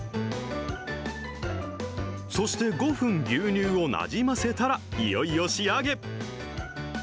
そして５分牛乳をなじませたら、いよいよ仕上げ。